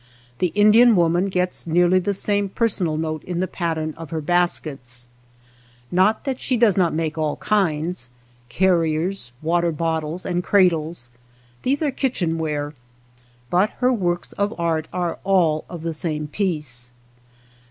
The In _dian woman gets nearly the same personal note in the pattern of her baskets. Not that she does not make all kinds, carriers, water bottles, and cradles, — these are kitchen ware, — but her works of art are all of the same piece.